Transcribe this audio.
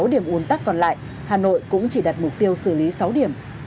hai mươi sáu điểm uốn tắc còn lại hà nội cũng chỉ đặt mục tiêu xử lý sáu điểm